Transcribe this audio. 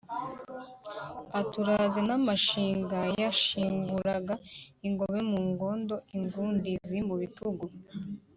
Ati: uraze n’amashinga yanshinguraga ingobe mu ngondo ingundizi mu bitugu.